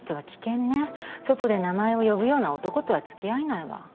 外で名前を呼ぶような男とは付き合えないわ。